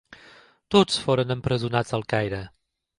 Tots foren empresonats al Caire.